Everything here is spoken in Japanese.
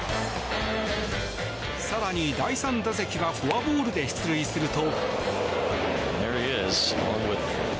更に第３打席はフォアボールで出塁すると。